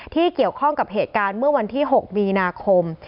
ที่เกี่ยวข้องกับเหตุการณ์เมื่อวันที่๖มีนาคม